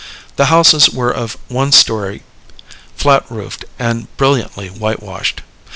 The houses were of one story, flat roofed, and brilliantly whitewashed.